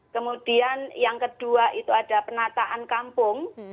kemudian yang kedua itu ada penataan kampung